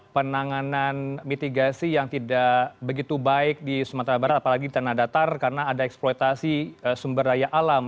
penanganan mitigasi yang tidak begitu baik di sumatera barat apalagi di tanah datar karena ada eksploitasi sumber daya alam